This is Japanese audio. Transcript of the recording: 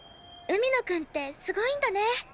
海野くんってすごいんだね。